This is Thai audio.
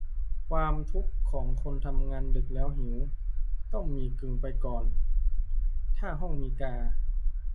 ความทุกข์ของคนทำงานดึกแล้วหิว ต้มหมี่กึ่งไปก่อน ถ้าห้องมีกา